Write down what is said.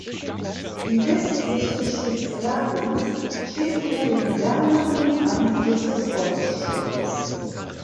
Die Westküste Spitzbergens steht unter dem wärmenden Einfluss des Golfstroms.